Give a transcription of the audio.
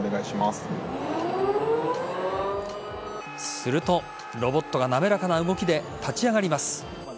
するとロボットが滑らかな動きで立ち上がります。